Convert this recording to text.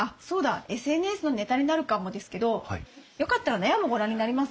ＳＮＳのネタになるかもですけどよかったら納屋もご覧になりますか？